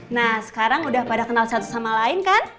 nah sekarang udah pada kenal satu sama lain kan